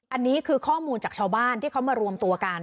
อันนี้คือข้อมูลจากชาวบ้านที่เขามารวมตัวกัน